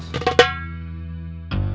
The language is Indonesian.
saya juga siap bos